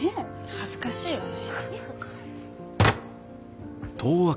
恥ずかしいよねえ。